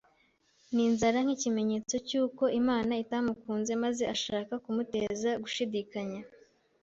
n’inzara nk’ikimenyetso cy’uko Imana itamukunze, maze ashaka kumuteza gushidikanya